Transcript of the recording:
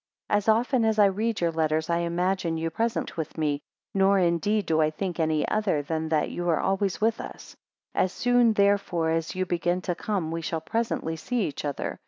AS often as I read your letters, I imagine you present with me; nor indeed do I think any other, than that you are always with us. 2 As soon therefore as you begin to come, we shall presently see each other.